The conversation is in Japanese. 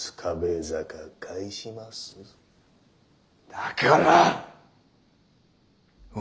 だからッ！